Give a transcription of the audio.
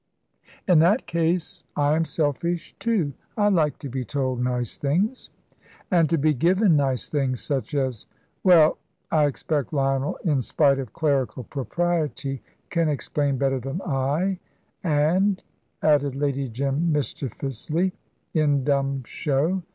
"In that case I am selfish, too. I like to be told nice things." "And to be given nice things, such as Well, I expect Lionel, in spite of clerical propriety, can explain better than I, and," added Lady Jim, mischievously, "in dumb show.